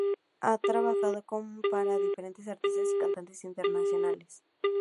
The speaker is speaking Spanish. Ha trabajado con y para diferentes artistas y cantantes internacionales.